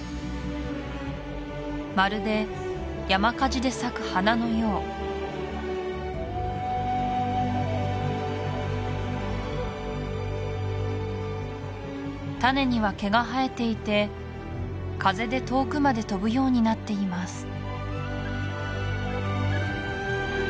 まるで山火事で咲く花のよう種には毛が生えていて風で遠くまで飛ぶようになっています